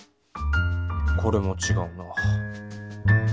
これもちがうな。